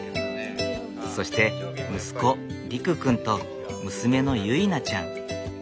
そして息子凌空くんと娘の結菜ちゃん。